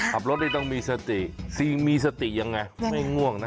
ขับรถนี่ต้องมีสติซีมีสติยังไงไม่ง่วงนะ